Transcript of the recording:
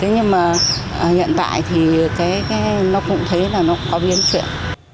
nhưng mà hiện tại thì nó cũng thấy là nó có biến chuyện